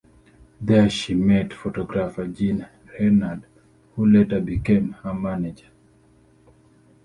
There she met photographer Jean Renard, who later became her manager.